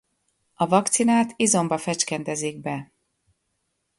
A vakcinát izomba fecskendezik be.